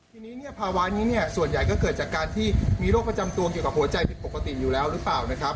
ทีนี้พาวะนี้ส่วนใหญ่ก็เกิดจากการที่มีโรคประจำตัวเกี่ยวกับหัวใจผิดปกติอยู่แล้วอยู่ป่าว